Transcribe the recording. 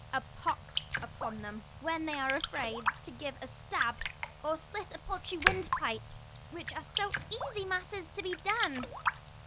A pox upon them, when they are afraid To give a stab, or slit a paltry wind pipe, Which are so easy matters to be done.